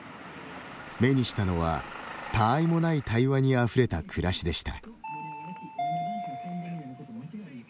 目にしたのは、たあいもない対話にあふれた暮らしでした。